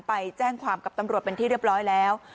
ไปแจ้งความกับตำรวจเป็นที่เรียบร้อยแล้ว